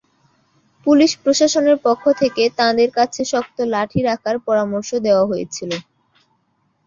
Police প্রশাসনের পক্ষ থেকে তাঁদের কাছে শক্ত লাঠি রাখার পরামর্শ দেওয়া হয়েছিল।